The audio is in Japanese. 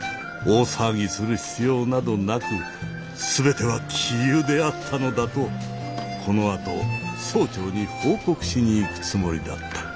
大騒ぎする必要などなく全ては杞憂であったのだとこのあと総長に報告しに行くつもりだった。